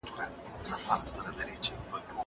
زه مخکي لاس مينځلي و!